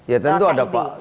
ya tentu ada pak